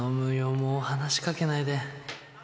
もう話しかけないで。